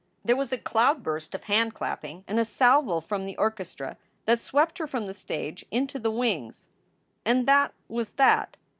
There was a cloudburst of handclapping and a salvo from the orchestra that swept her from the stage into the wings. And that was tnat